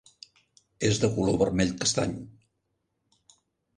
És de color vermell-castany.